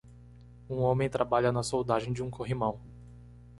Um homem trabalha na soldagem de um corrimão.